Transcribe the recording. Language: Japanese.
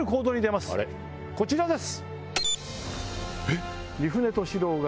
こちらです！